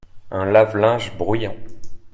un lave-linge bruyant.